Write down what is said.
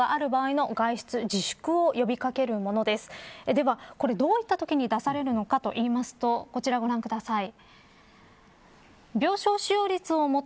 では、これどういったときに出されるのかといいますとこちらご覧ください。